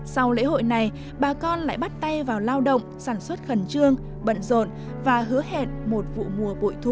sau lễ hội này bà con lại bắt tay vào lao động sản xuất khẩn trương bận rộn và hứa hẹn một vụ mùa bội thu